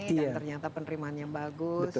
dan ternyata penerimaannya bagus